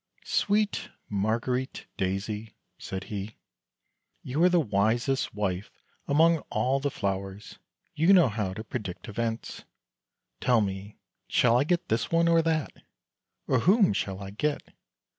" Sweet Marguerite Daisy," said he, " you are the wisest wife among all the flowers; you know how to predict events. Tell me, shall I get this one or that ? or whom shall I get